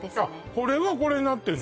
これがこれになってるの？